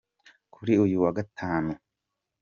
kuri uyu wa Gatanu.